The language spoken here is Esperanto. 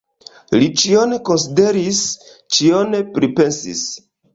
Li ĉion konsideris, ĉion pripensis.